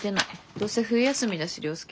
どうせ冬休みだし涼介。